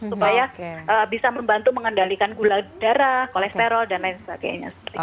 supaya bisa membantu mengendalikan gula darah kolesterol dan lain sebagainya